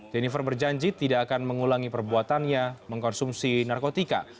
jennifer berjanji tidak akan mengulangi perbuatannya mengkonsumsi narkotika